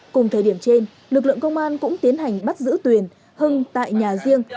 cùng thời điểm trên lực lượng công an cũng tiến hành bắt giữ tuyền hưng tại nhà riêng